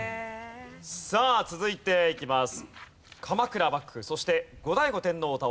さあ続いていきます。